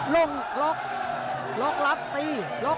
ลงล็อกล็อกรัดตีล็อก